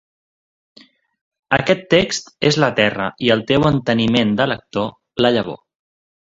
Aquest text és la terra i el teu enteniment de lector, la llavor.